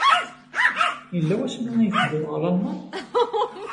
Yella wasmi ay teddiḍ ɣer Lalman?